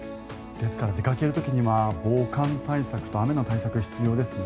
ですから出かける時には防寒対策と雨の対策必要ですね。